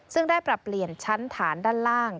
ซึ่งได้ปรับเปลี่ยนชั้นฐานด้านล่าง